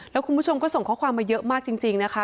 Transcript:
แล้วคุณผู้ชมก็ส่งข้อความมาเยอะมากจริงนะคะ